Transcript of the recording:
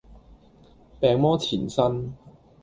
病魔纏身